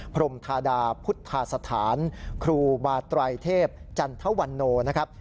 พรมธาดาพุทธสถานครูบาไตรเทพจันทวันโนนะครับ